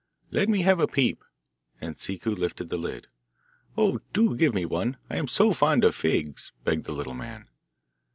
'Let me have a peep,' and Ciccu lifted the lid. 'Oh, do give me one, I am so fond of figs,' begged the little man.